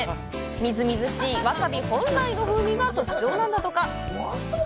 みずみずしいわさび本来の風味が特徴なんだとか。